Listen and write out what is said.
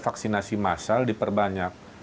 vaksinasi masal diperbanyak